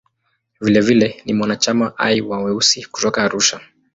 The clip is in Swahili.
Vilevile ni mwanachama hai wa "Weusi" kutoka Arusha.